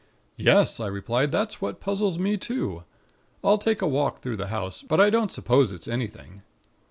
"'Yes,' I replied. 'That's what puzzles me too. I'll take a walk through the house; but I don't suppose it's anything.'